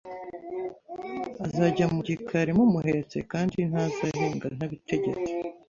azajya mu gikari mumuhetse kandi ntazahinga ntabitegetse